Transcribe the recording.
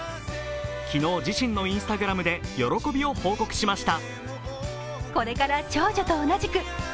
昨日、自身のＩｎｓｔａｇｒａｍで喜びを報告しました。